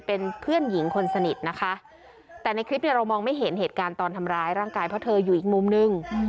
เป็นเพื่อนหญิงคนสนิทนะคะแต่ในคลิปเนี่ยเรามองไม่เห็นเหตุการณ์ตอนทำร้ายร่างกายเพราะเธออยู่อีกมุมนึง